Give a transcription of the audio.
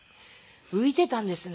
浮いていたんですね。